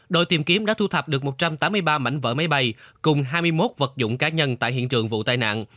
đội tìm kiếm đã thu thập được một trăm tám mươi ba mảnh vỡ máy bay cùng hai mươi một vật dụng cá nhân tại hiện trường vụ tai nạn